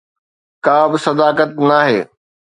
ڪابه صداقت ناهي